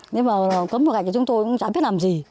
nếu mà cấm gạch thì chúng tôi cũng chẳng biết làm gì